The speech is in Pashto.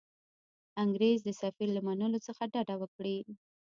انګرېز د سفیر له منلو څخه ډډه وکړي.